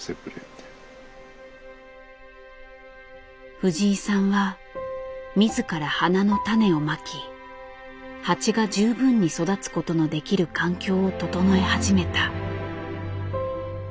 藤井さんは自ら花の種をまき蜂が十分に育つことのできる環境を整え始めた。